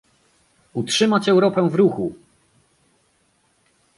"Utrzymać Europę w ruchu!"